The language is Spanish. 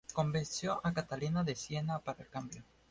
Convenció a Catalina de Siena para el cambio.